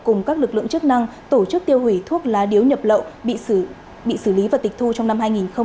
cùng các lực lượng chức năng tổ chức tiêu hủy thuốc lá điếu nhập lậu bị xử lý và tịch thu trong năm hai nghìn hai mươi